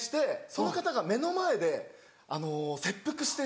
その方が目の前で切腹してしまう。